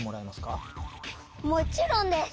もちろんです！